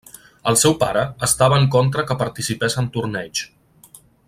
El seu pare estava en contra que participés en torneigs.